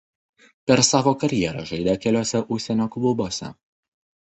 Per savo karjerą žaidė keliuose užsienio klubuose.